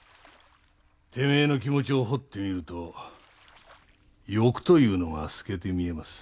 てめえの気持ちを掘ってみると欲というのが透けて見えます。